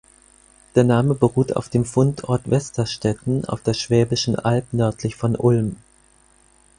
Der Name beruht auf dem Fundort Westerstetten auf der Schwäbischen Alb nördlich von Ulm.